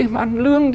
mà ăn lương